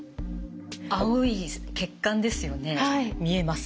青い血管ですよね。見えます。